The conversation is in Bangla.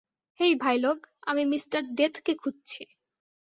হেই, ভাইলোগ, আমি মিঃ ডেথকে খুঁজছি।